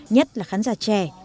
nhất là khán giả trẻ